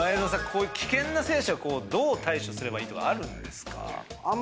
こういう危険な選手はどう対処すればいいとかあるんですか？